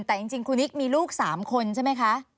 แต่จริงครูนิกมีลูก๓คนใช่ไหมคะ